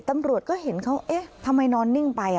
ตำรวจก็เห็นเขาเอ๊ะทำไมนอนนิ่งไป